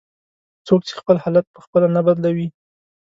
"څوک چې خپل حالت په خپله نه بدلوي".